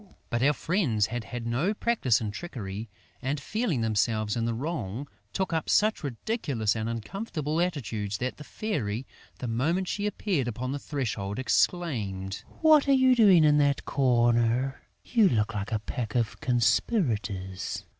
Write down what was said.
But our friends had had no practice in trickery and, feeling themselves in the wrong, took up such ridiculous and uncomfortable attitudes that the Fairy, the moment she appeared upon the threshold, exclaimed: "What are you doing in that corner?... You look like a pack of conspirators!"